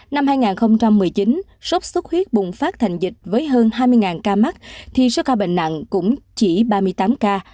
năm hai nghìn một mươi chín sốc xuất huyết bùng phát thành dịch với hơn hai mươi ca mắc thì số ca bệnh nặng cũng chỉ ba mươi tám ca